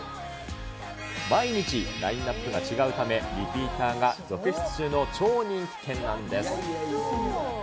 毎日、ラインナップが違うため、リピーターが続出中の超人気店なんです。